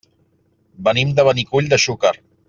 Venim de Benicull de Xúquer.